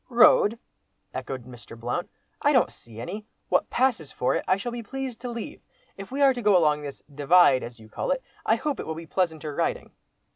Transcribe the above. "Road!" echoed Mr. Blount, "I don't see any; what passes for it, I shall be pleased to leave. If we are to go along this 'Divide,' as you call it, I hope it will be pleasanter riding."